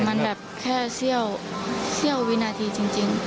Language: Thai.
แต่มันแค่เชี่ยววินาทีจริง